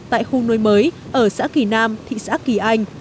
tại khu nuôi mới ở xã kỳ nam thị xã kỳ anh